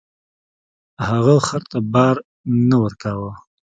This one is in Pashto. هغه خر ته بار نه ورکاوه.